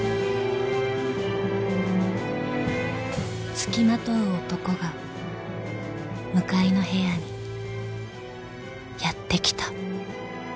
［付きまとう男が向かいの部屋にやって来た］